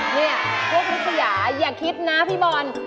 เนี่ยพวกฤษยาอย่าคิดนะพี่บอล